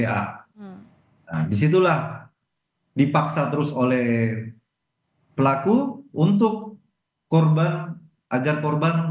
nah disitulah dipaksa terus oleh pelaku untuk korban agar korban